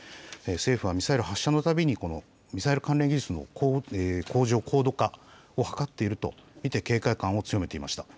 政府はミサイル発射のたびにミサイル関連技術の向上、高度化を図っていると見て、警戒感を強めていました。